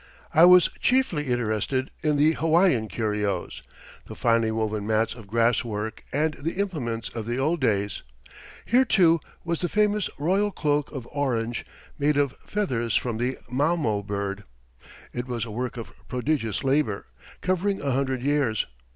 I was chiefly interested in the Hawaiian curios, the finely woven mats of grass work and the implements of the old days. Here, too, was the famous royal cloak of orange, made of feathers from the mamo bird. It was a work of prodigious labour, covering a hundred years.